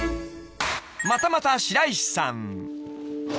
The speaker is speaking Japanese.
［またまた白石さん］